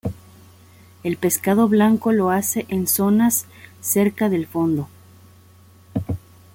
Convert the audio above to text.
El pescado blanco lo hace en zonas cerca del fondo.